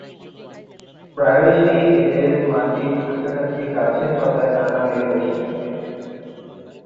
প্রায়শই এদের মাটির কাছাকাছি গাছের পাতায় ডানা মেলে বসে থাকে।